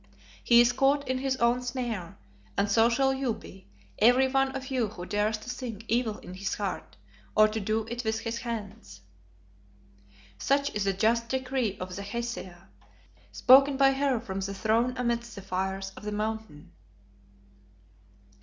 He is caught in his own snare, and so shall you be, every one of you who dares to think evil in his heart or to do it with his hands. "Such is the just decree of the Hesea, spoken by her from her throne amidst the fires of the Mountain."